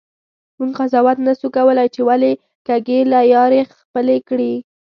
مونږ قضاوت نسو کولی چې ولي کږې لیارې خپلي کړي.